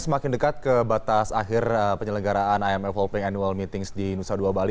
semakin dekat ke batas akhir penyelenggaraan imf worlpping annual meetings di nusa dua bali